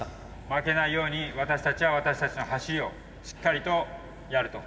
負けないように私たちは私たちの走りをしっかりとやると。